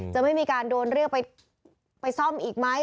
จะไม่มีการโดนเรียกไปซ่อมอีกไหม